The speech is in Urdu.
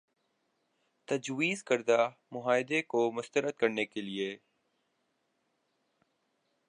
تجویزکردہ معاہدے کو مسترد کرنے کے لیے